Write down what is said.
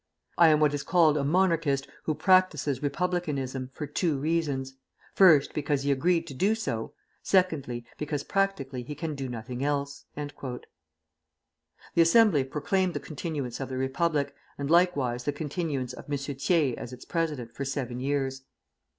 I am what is called a Monarchist who practises Republicanism for two reasons, first, because he agreed to do so, secondly, because practically he can do nothing else." The Assembly proclaimed the continuance of the Republic, and likewise the continuance of M. Thiers as its president for seven years.